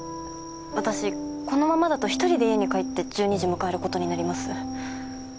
私このままだと１人で家に帰って１２時迎えることになります。